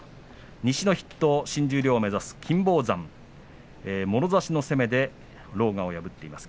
西の筆頭、新十両を目指す金峰山もろ差しの攻めで狼雅を破っています。